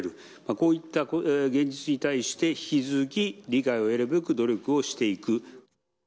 こういった現実に対して、引き続き理解を得るべく努力をしていく。